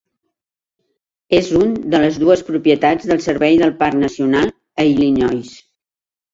És un de les dues propietats del Servei del Parc Nacional a Illinois.